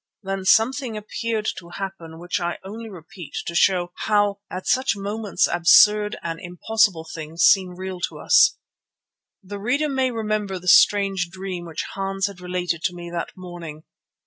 Then something appeared to happen which I only repeat to show how at such moments absurd and impossible things seem real to us. The reader may remember the strange dream which Hans had related to me that morning.